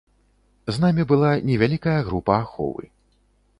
З намі была невялікая група аховы.